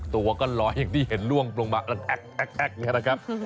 ตัวก็ล้อยอย่างที่เห็นล่วงลงมาแอ๊กแอ๊กแอ๊กอย่างนี้นะครับ